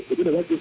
itu sudah bagus